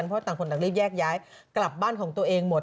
เพราะต่างคนต่างรีบแยกย้ายกลับบ้านของตัวเองหมด